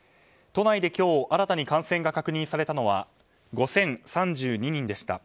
都内で今日新たに感染が確認されたのは５０３２人でした。